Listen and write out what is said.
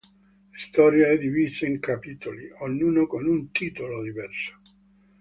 La storia è divisa in capitoli, ognuno con un titolo diverso.